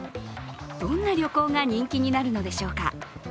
どんな旅行が人気になるのでしょうか。